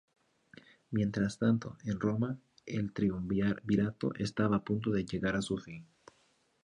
Mientras tanto, en Roma, el triunvirato estaba a punto de llegar a su fin.